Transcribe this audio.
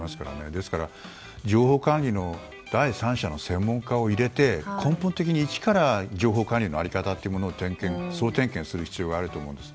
ですから情報管理の第三者の専門家を入れて根本的に一から情報管理の在り方を総点検する必要があると思うんです。